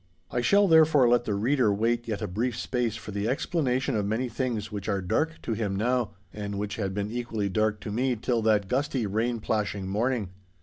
I shall, therefore, let the reader wait yet a brief space for the explanation of many things which are dark to him now, and which had been equally dark to me till that gusty, rain plashing morning.